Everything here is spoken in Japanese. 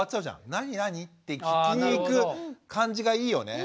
「何何？」って聞きに行く感じがいいよね。